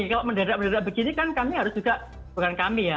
kalau mendadak mendadak begini kan kami harus juga bukan kami ya